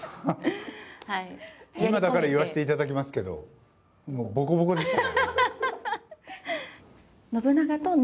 今だから言わせていただきますけどボコボコでしたよ。